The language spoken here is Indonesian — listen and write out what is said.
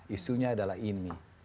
isunya adalah ini